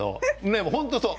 本当そう。